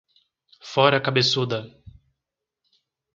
Fora cabeçuda